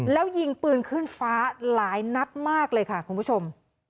แล้วยิงปืนขึ้นฟ้าหลายนัดมากเลยค่ะคุณผู้ชม